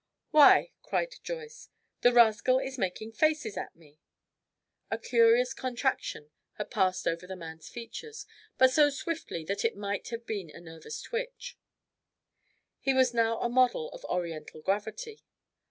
"Why!" cried Joyce, "the rascal is making faces at me." A curious contraction had passed over the man's features, but so swiftly that it might have been a nervous twitch. He was now a model of Oriental gravity.